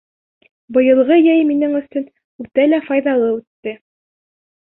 — Быйылғы йәй минең өсөн үтә лә файҙалы үтте.